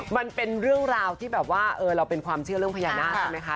มันเป็นเรื่องราวที่แบบว่าเราเป็นความเชื่อเรื่องพญานาคใช่ไหมคะ